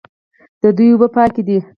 د دوی اوبه پاکې دي.